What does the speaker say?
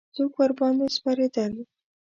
څوک ورباندې سپرېدل.